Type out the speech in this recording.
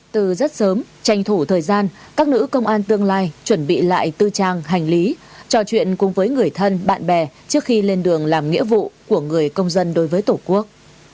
từ rất sớm tranh thủ thời gian các nữ công an tương lai chuẩn bị lại tư trang hành lý trò chuyện cùng với người thân bạn bè trước khi lên đường làm nghĩa vụ của người công dân đối với tổ quốc